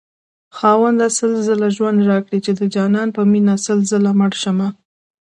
خاونده سل ځله ژوند راكړې چې دجانان په مينه سل ځله مړشمه